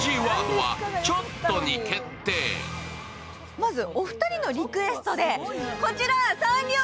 まず、お二人のリクエストでこちらサンリオ